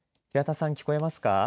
平田さん聞こえますか。